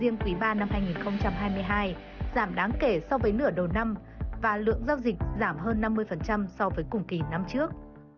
năm hai nghìn hai mươi hai giảm đáng kể so với nửa đầu năm và lượng giao dịch giảm hơn năm mươi so với cùng kỳ năm trước